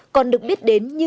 còn được biết đến như